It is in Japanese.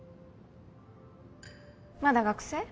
まだ学生？